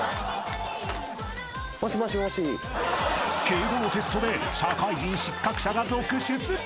☎［敬語のテストで社会人失格者が続出！］